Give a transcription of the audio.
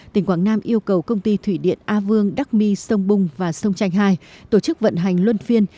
tỉnh quảng nam yêu cầu công ty thủy điện a vương đắc my sông bung và sông tranh hai tổ chức vận hành luân phiên